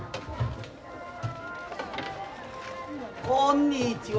こんにちは。